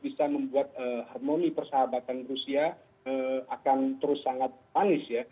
kita harus bisa membuat harmoni persahabatan rusia akan terus sangat panis ya